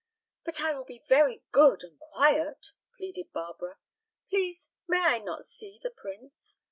"But I will be very good and quiet," pleaded Barbara. "Please, may I not see the prince?"